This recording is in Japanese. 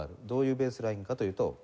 どういうベースラインかというと。